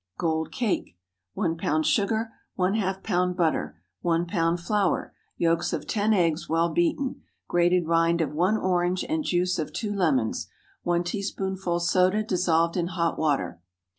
GOLD CAKE. ✠ 1 lb. sugar. ½ lb. butter. 1 lb. flour. Yolks of ten eggs—well beaten. Grated rind of one orange, and juice of two lemons. 1 teaspoonful soda dissolved in hot water.